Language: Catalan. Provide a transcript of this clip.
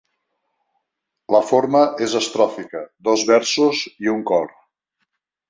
La forma és estròfica, dos versos i un cor.